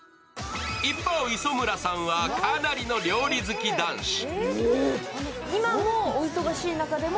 一方、磯村さんはかなりの料理好き男子。